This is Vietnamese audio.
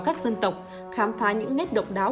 các dân tộc khám phá những nét độc đáo